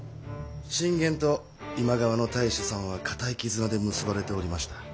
信玄と今川の太守様は固い絆で結ばれておりました。